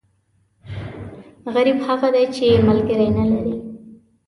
غریب هغه دی، چې ملکری نه لري.